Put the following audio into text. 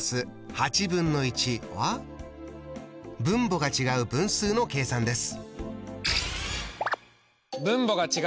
分母が違う分数の計算です。